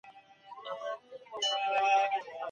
د شريعت تر ټولو جالبه برخه څه ده؟